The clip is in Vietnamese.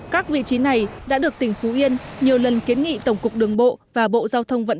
các vị trí này đã được tỉnh phú yên nhiều lần kiến nghị tổng cục đường bộ và bộ giao thông vận